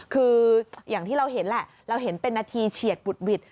คืออย่างที่เราเห็นแหละเราเห็นเป็นนาทีเฉียดบุดหวิด